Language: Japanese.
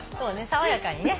爽やかにね。